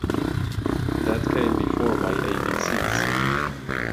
That came before my A B C's.